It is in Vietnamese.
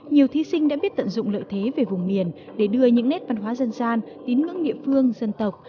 nhiều thí sinh đã biết tận dụng lợi thế về vùng miền để đưa những nét văn hóa dân gian tín ngưỡng địa phương dân tộc